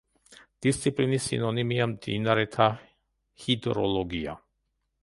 დისციპლინის სინონიმია: მდინარეთა ჰიდროლოგია.